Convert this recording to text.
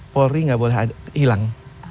polri tidak boleh hilang